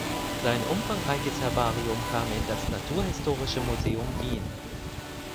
Sein umfangreiches Herbarium kam in das Naturhistorisches Museum Wien.